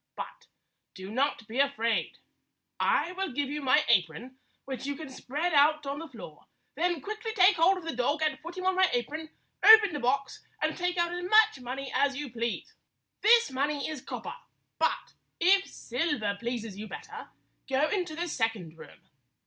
But do not be afraid. I will give you my apron, which you can spread out on the floor ; then quickly take hold of the dog and put him on my apron, open the box, and take out as much money as you please. This money is copper, but if silver pleases you better, go into the second room.